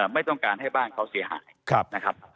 ไม่ต้องการให้บ้านเขาเสียหายนะครับ